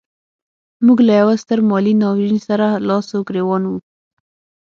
موږ له یوه ستر مالي ناورین سره لاس و ګرېوان وو.